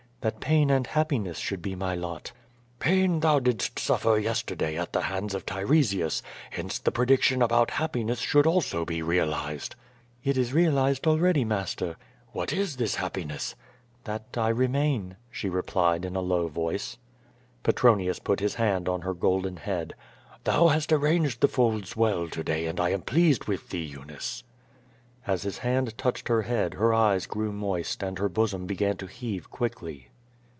"That pain and happiness should be my lot." "Pain thou didst suffer yesterday at the hands of Tiresias, hence the prediction about happiness should also be realized." "It is realized already, master." "Wliat is this happiness?" "That I remain," she replied in a low voice. I08 QUO VADIS, Petronius put his hand on her golden head. "Thou hast arranged the folds well to day and I am pleased with thee, Eunice/" As his hand touched her head her eyes grew moist and her bosom began to heave quickly.